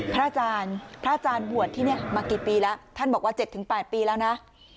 พระอาจารย์หวัดที่เนี่ยมากี่ปีแล้วท่านบอกว่า๗๘ปีแล้วนะ